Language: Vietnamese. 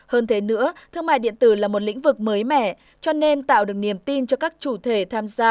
hơn thế nữa thương mại điện tử là một lĩnh vực mới mẻ cho nên tạo được niềm tin cho các chủ thể tham gia